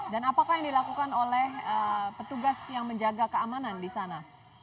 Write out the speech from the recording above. dan apakah yang dilakukan oleh petugas yang menjaga keamanan di sana